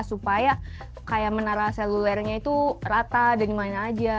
supaya kayak menara seluler itu rata dan gimana aja